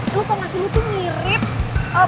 lo tau gak sih lo tuh mirip